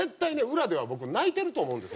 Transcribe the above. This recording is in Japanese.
裏では僕泣いてると思うんです。